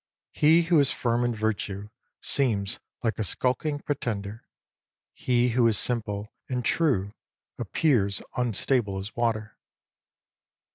He who is firm in virtue seems like a skulking pretender. He who is simple and true appears unstable as water.